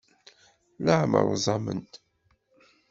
Leɛmer uẓament.